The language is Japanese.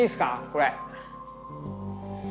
これ。